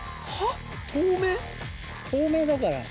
透明だから。